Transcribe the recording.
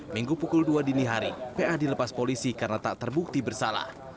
minggu pukul dua dini hari pa dilepas polisi karena tak terbukti bersalah